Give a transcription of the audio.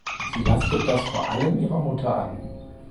Sie lastet das vor allem ihrer Mutter an.